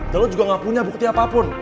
dan lo juga gak punya bukti apapun